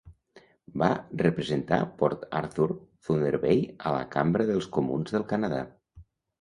Va representar Port Arthur-Thunder Bay a la Cambra dels Comuns del Canadà.